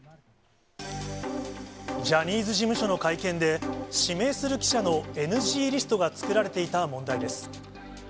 ジャニーズ事務所の会見で指名する記者のＮＧリストが作られていた問題です。